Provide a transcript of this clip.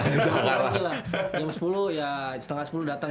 jam sepuluh ya setengah sepuluh datang